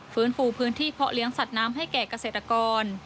ฟื้นฟูพื้นที่เพาะเลี้ยงสัตว์น้ำให้แก่เกษตรกร